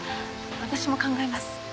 私も考えます。